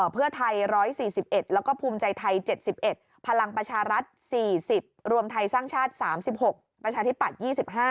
เพื่อไทย๑๔๑แล้วก็ภูมิใจไทย๗๑พลังประชารัฐ๔๐รวมไทยสร้างชาติ๓๖ประชาธิปัตย์๒๕